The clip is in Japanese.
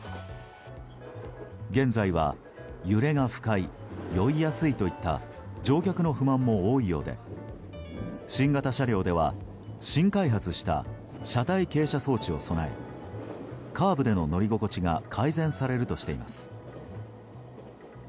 現在は、揺れが不快酔いやすいといった乗客の不満も多いようで新型車両では新開発した車体傾斜装置を備えカーブでの乗り心地が改善されるとしています。